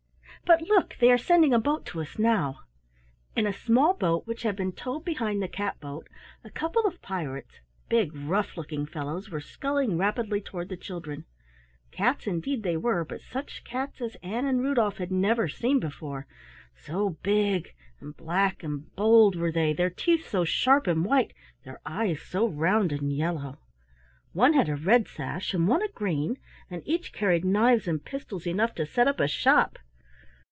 But, look, they are sending a boat to us now." In a small boat which had been towed behind the catboat, a couple of pirates big, rough looking fellows were sculling rapidly toward the children. Cats indeed they were, but such cats as Ann and Rudolf had never seen before, so big and black and bold were they, their teeth so sharp and white, their eyes so round and yellow! One had a red sash and one a green, and each carried knives and pistols enough to set up a shop.